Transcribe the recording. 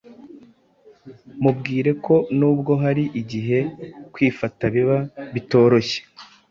mubwire ko nubwo hari igihe kwifata biba bitoroshye,